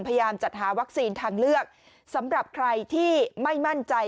พยายามจัดหาวัคซีนทางเลือกสำหรับใครที่ไม่มั่นใจ